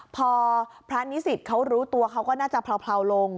พอพระนิสิตเขารู้ตัวเขาก็น่าจะเผลาลง